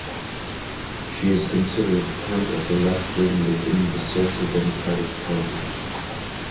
She is considered part of the left wing within the Social Democratic Party.